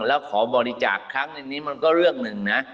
แล้วขอบริจาคครั้งหนึ่งนี้มันก็เรื่องหนึ่งนะ